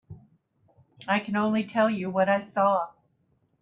I can only tell you what I saw.